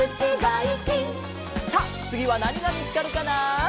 さあつぎはなにがみつかるかな？